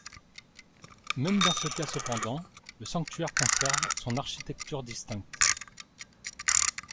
Même dans ce cas cependant, le sanctuaire conserve son architecture distincte.